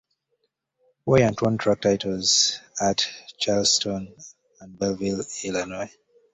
Weyant won track titles at Charleston and Belleville, Illinois.